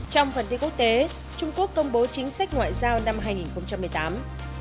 trong phần tiết quốc tế trung quốc công bố chính sách ngoại giao năm hai nghìn một mươi tám